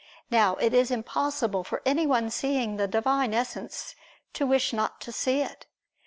Now it is impossible for anyone seeing the Divine Essence, to wish not to see It.